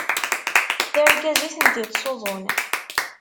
D argaz i tent-ittṣuḍun.